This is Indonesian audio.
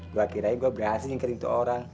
gue kirain gue berhasil menyikirin tuh orang